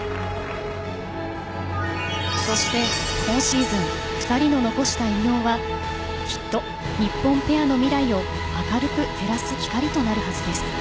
そして、今シーズン２人の残した偉業はきっと日本ペアの未来を明るく照らす光となるはずです。